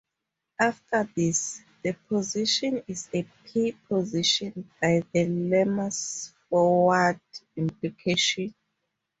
After this, the position is a P-position by the lemma's forward implication.